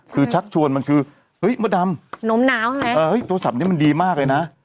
คือชักชวนมันคือเฮ้ยมดดำโน้มน้าวใช่ไหมโทรศัพท์นี้มันดีมากเลยนะ